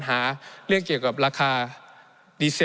ในช่วงที่สุดในรอบ๑๖ปี